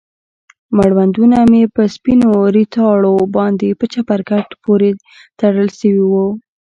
مړوندونه مې په سپينو ريتاړو باندې په چپرکټ پورې تړل سوي وو.